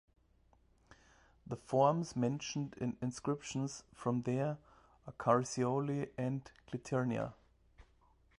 The forms mentioned in inscriptions from there are Carsioli and Cliternia.